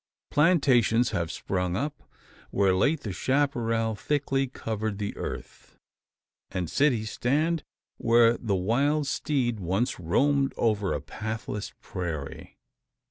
Plantations have sprung up, where late the chapparal thickly covered the earth; and cities stand, where the wild steed once roamed over a pathless prairie.